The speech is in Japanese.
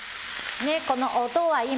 ねこの音は。